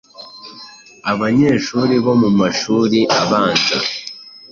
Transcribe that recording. abanyeshuri bo mu mashuri abanza